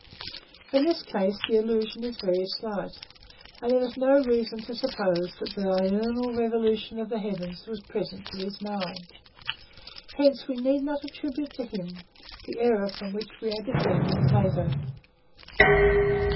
In this instance the allusion is very slight, and there is no reason to suppose that the diurnal revolution of the heavens was present to his mind. Hence we need not attribute to him the error from which we are defending Plato.